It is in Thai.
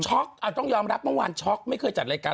ต้องยอมรับเมื่อวานช็อกไม่เคยจัดรายการ